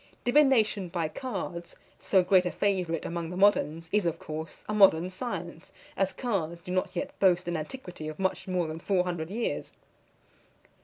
Divination by cards, so great a favourite among the moderns, is, of course, a modern science; as cards do not yet boast an antiquity of much more than four hundred years.